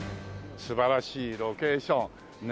素晴らしいロケーションねえ。